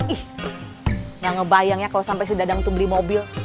ih yang ngebayangnya kalau sampai si dadang itu beli mobil